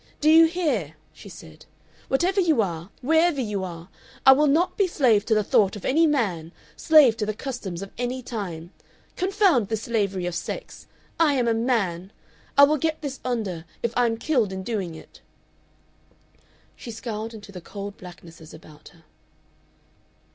"Do you hear!" she said "whatever you are, wherever you are! I will not be slave to the thought of any man, slave to the customs of any time. Confound this slavery of sex! I am a man! I will get this under if I am killed in doing it!" She scowled into the cold blacknesses about her.